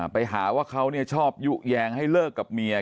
ไปหาว่าเขาเนี่ยชอบยุ่งแยงให้เลิกกับเมีย